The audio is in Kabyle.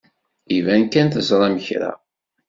Iban kan teẓram kra.